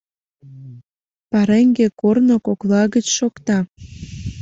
Пареҥге корно кокла гыч шокта.